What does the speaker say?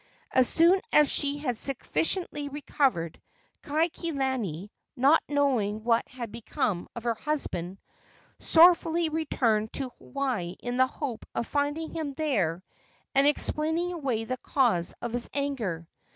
As soon as she had sufficiently recovered, Kaikilani, not knowing what had become of her husband, sorrowfully returned to Hawaii in the hope of finding him there and explaining away the cause of his anger.